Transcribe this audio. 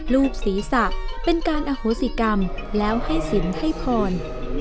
รูปศีรษะเป็นการอโฮศิกรรมและให้ศิลป์ให้พล